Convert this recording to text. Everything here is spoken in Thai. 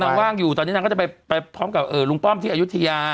ว่างอยู่ตอนนี้นางก็จะไปพร้อมกับลุงป้อมที่อายุทยา